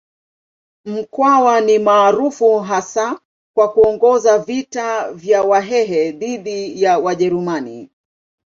Mkwawa ni maarufu hasa kwa kuongoza vita vya Wahehe dhidi ya Wajerumani.